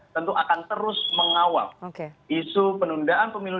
tentu akan terus mengawal isu penundaan pemilu